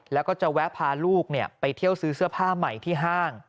แล้วก็จะแวะพาลูกไปเที่ยวซื้อเสื้อผ้าใหม่ที่ห้าง